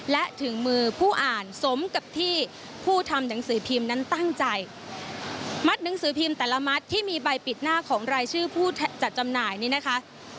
และถึงมือผู้อ่านสมกับที่ผู้ทำหนังสือพิมพ์นั้นตั้งใจมัดหนังสือพิมพ์แต่ละมัดที่มีใบปิดหน้าของรายชื่อผู้จัดจำหน่ายนี่นะคะ